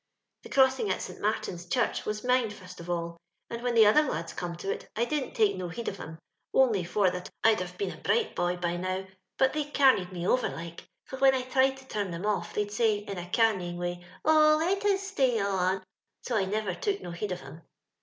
The crossing at St. Martin's Chnrch was mine fust of all; and when the other lads come to it I didn't take no heed of 'em — only for that I'd have been a bright boy by now, but they camied me over iDce; for when I tried to turn 'em off they'd say, in a camying way, * Oh, let us stay on,' so I never took no heed of 'em.